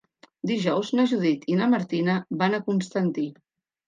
Dijous na Judit i na Martina van a Constantí.